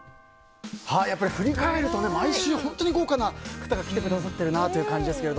やっぱり振り返ると毎週、本当に豪華な方が来てくださってるなという感じですが。